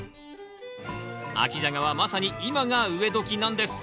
秋ジャガはまさに今が植え時なんです。